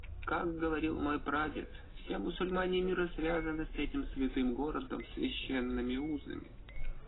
Как говорил мой прадед, все мусульмане мира связаны с этим святым городом священными узами.